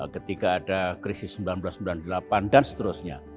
ketika ada krisis seribu sembilan ratus sembilan puluh delapan dan seterusnya